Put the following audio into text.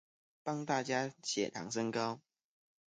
幫大家血糖升高